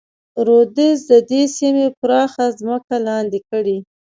رودز د دې سیمې پراخه ځمکې لاندې کړې.